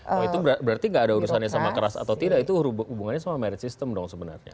oh itu berarti nggak ada urusannya sama keras atau tidak itu hubungannya sama merit system dong sebenarnya